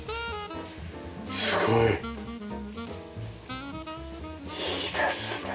すごい！いいですねえ。